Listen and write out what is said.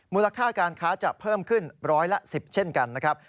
มูลค่าการค้าจะเพิ่มขึ้นร้อยละ๑๐เช่นกันนะครับ